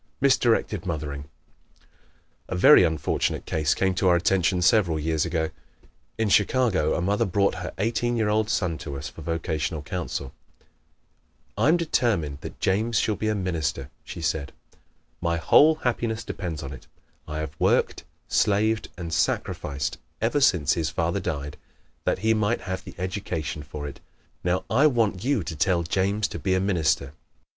Misdirected Mothering ¶ A very unfortunate case came to our attention several years ago. In Chicago a mother brought her eighteen year old son to us for vocational counsel. "I am determined that James shall be a minister," she said. "My whole happiness depends upon it. I have worked, slaved and sacrificed ever since his father died that he might have the education for it. Now I want you to tell James to be a minister."